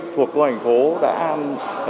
thuộc công an thành phố